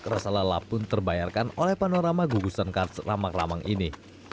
rasa lelap pun terbayarkan oleh panorama gugusan kars ramang ramang ini